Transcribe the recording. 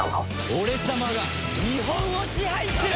俺様がニホンを支配する！